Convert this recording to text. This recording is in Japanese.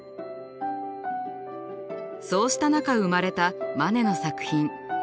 そうした中生まれたマネの作品。